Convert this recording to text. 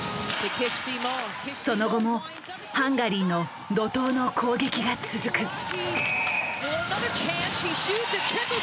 その後もハンガリーの怒とうの攻撃が続く。